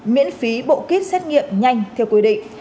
miễn phí bộ kit xét nghiệm nhanh theo quy định